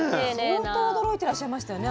相当驚いてらっしゃいましたよね